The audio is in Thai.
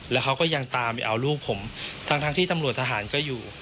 แล้วเขาก็ยังตามไปเอาลูกผมทั้งที่ตำรวจทหารก็อยู่